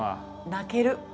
泣ける。